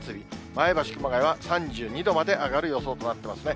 前橋、熊谷は３２度まで上がる予想となってますね。